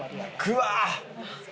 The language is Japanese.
くわ！